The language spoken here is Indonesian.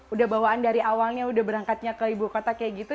udah bawaan dari awalnya udah berangkatnya ke ibu kota kayak gitu